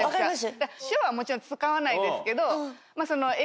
塩はもちろん使わないですけど。